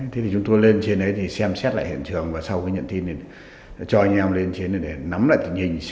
thế thì chúng tôi lên trên đấy thì xem xét lại hiện trường và sau khi nhận tin cho anh em lên trên để nắm lại tình hình